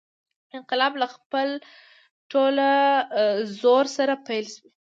انقلاب له خپل ټول زور سره پیل شو.